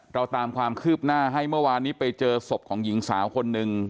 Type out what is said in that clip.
เราตามความคืบหน้าให้เมื่อวานนี้ไปเจอศพของหญิงสาวคนหนึ่ง